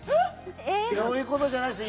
そういうことじゃないうですよ。